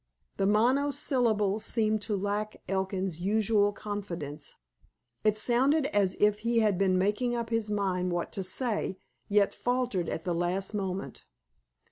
The monosyllable seemed to lack Elkin's usual confidence. It sounded as if he had been making up his mind what to say, yet faltered at the last moment.